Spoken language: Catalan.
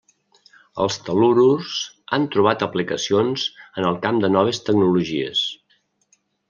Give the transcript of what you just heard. Els tel·lururs han trobat aplicacions en el camp de noves tecnologies.